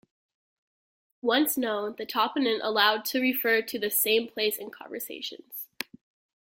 Once known, the toponym allowed to refer to the same place in conversations.